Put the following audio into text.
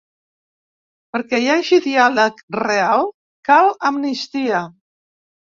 Perquè hi hagi diàleg real cal amnistia.